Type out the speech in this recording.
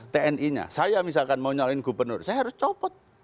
tni nya saya misalkan mau nyalonin gubernur saya harus copot